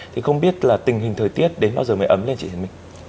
thì không biết là tình hình thời tiết đến bao giờ mới ấm lên chị thiên minh